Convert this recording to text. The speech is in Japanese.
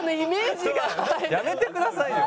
やめてくださいよ。